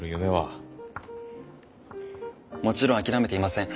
もちろん諦めていません。